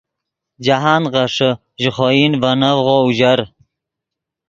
جاہند غیݰے، ژے خوئن ڤے نڤغو اوژر